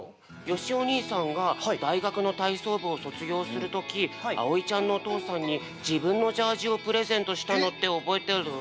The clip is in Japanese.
よしお兄さんが大学の体操部をそつぎょうするときあおいちゃんのおとうさんに自分のジャージをプレゼントしたのって覚えてる？